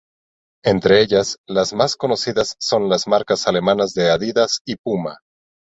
Entre ellas, las más conocidas son la marcas alemanas de Adidas y Puma.